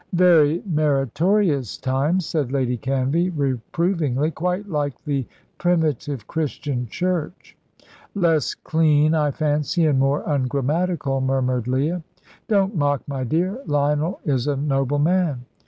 "Very meritorious times," said Lady Canvey, reprovingly "quite like the primitive Christian Church." "Less clean, I fancy, and more ungrammatical," murmured Leah. "Don't mock, my dear. Lionel is a noble man."